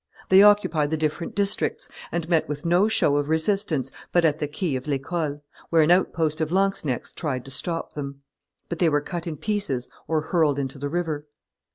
They occupied the different districts, and met with no show of resistance but at the quay of L'Ecole, where an outpost of lanzknechts tried to stop them; but they were cut in pieces or hurled into the river.